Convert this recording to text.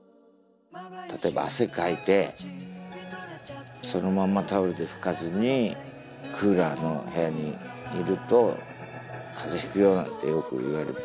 例えば汗かいてそのままタオルで拭かずにクーラーの部屋にいると風邪ひくよなんてよく言われて。